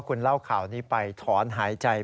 ฟังเสียงอาสามูลละนิทีสยามร่วมใจ